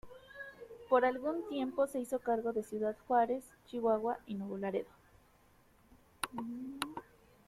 Por algún tiempo se hizo cargo de Ciudad Juárez, Chihuahua y Nuevo Laredo.